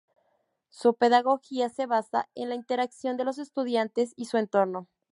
Su pedagogía se basa en la interacción de los estudiantes y su entorno.